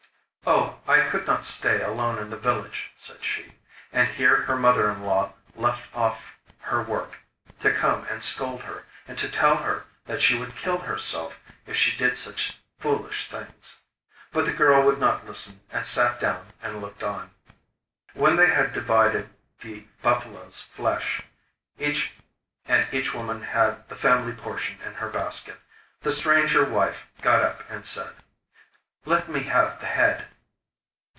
'Oh! I could not stay alone in the village,' said she. And her mother in law left off her work to come and scold her, and to tell her that she would kill herself if she did such foolish things. But the girl would not listen and sat down and looked on. When they had divided the buffalo's flesh, and each woman had the family portion in her basket, the stranger wife got up and said: 'Let me have the head.